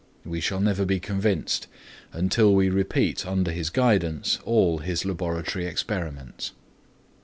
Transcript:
We shall never be convinced until we repeat under his guidance all his laboratory experiments.